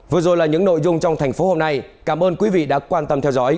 vừa rồi là những nội dung trong thành phố hôm nay cảm ơn quý vị đã quan tâm theo dõi